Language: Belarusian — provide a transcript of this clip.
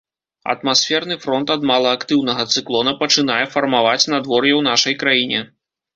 Атмасферны фронт ад малаактыўнага цыклона пачынае фармаваць надвор'е ў нашай краіне.